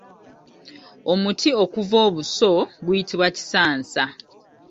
Omuti okuva obuso guyitibwa Kisaansa.